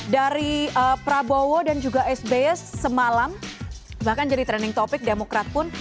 dari prabowo dan juga sby semalam bahkan jadi trending topic demokrat pun